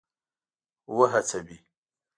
وهڅوي.